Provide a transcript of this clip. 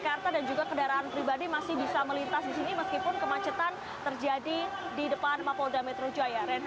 di depan mapolda metro jaya